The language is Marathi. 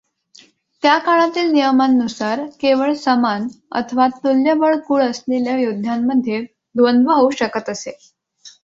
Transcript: त्या काळातील नियमांनुसार केवळ समान अथवा तुल्यबळ कूळ असलेल्या योद्ध्यांमध्ये द्वंद्व होऊ शकत असे.